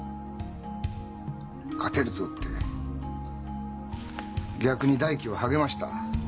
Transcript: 「勝てるぞ！」って逆に大樹を励ました。